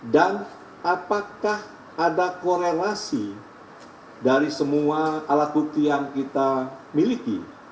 dan apakah ada korelasi dari semua alat bukti yang kita miliki